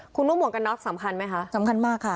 คุณว่าหมวกกันน็อกสำคัญไหมคะสำคัญมากค่ะ